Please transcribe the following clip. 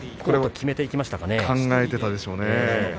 考えていたでしょうね。